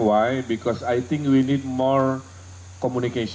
karena saya pikir kita perlu lebih banyak komunikasi